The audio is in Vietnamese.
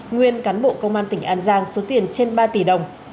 nguyên cán bộ công an tỉnh an giang số tiền trên ba tỷ đồng